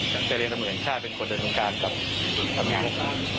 เหมือนกับถ้าเป็นคนเดินบนการกับความง่าย